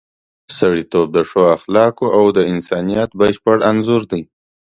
سړیتوب د ښو اخلاقو او د انسانیت بشپړ انځور دی.